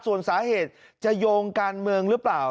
ส่วนสาเหตุจะโยงการเมืองหรือเปล่า